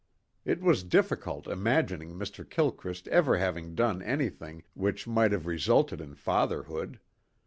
It was difficult imagining Mr. Gilchrist ever having done anything which might have resulted in fatherhood.